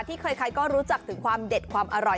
ใครก็รู้จักถึงความเด็ดความอร่อย